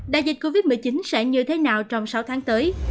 đại dịch covid một mươi chín sẽ như thế nào trong sáu tháng tới